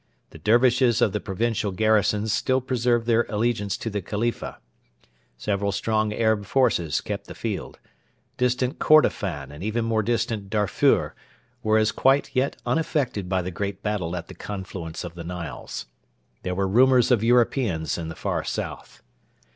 The Dervishes of the provincial garrisons still preserved their allegiance to the Khalifa. Several strong Arab forces kept the field. Distant Kordofan and even more distant Darfur were as yet quite unaffected by the great battle at the confluence of the Niles. There were rumours of Europeans in the Far South.